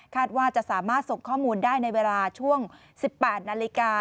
ว่าจะสามารถส่งข้อมูลได้ในเวลาช่วง๑๘นาฬิกา